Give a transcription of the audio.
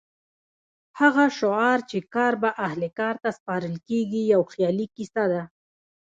هغه شعار چې کار به اهل کار ته سپارل کېږي یو خیالي کیسه ده.